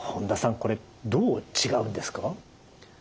これどう違うんですか？